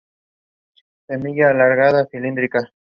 Semilla alargada, cilíndrica.